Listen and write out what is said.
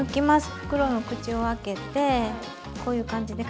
袋の口を開けてこういう感じで軽くやさしく。